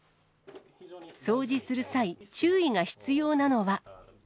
掃除する際、注意が必要なのは。